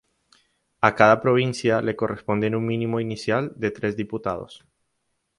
A cada provincia le corresponden un mínimo inicial de tres diputados.